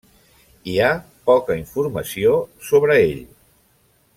Hi ha poca informació sobre ell.